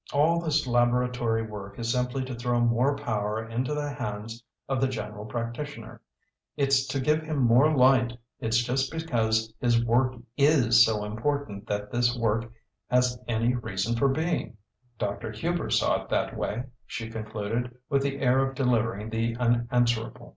"All this laboratory work is simply to throw more power into the hands of the general practitioner. It's to give him more light. It's just because his work is so important that this work has any reason for being. Dr. Hubers saw it that way," she concluded, with the air of delivering the unanswerable.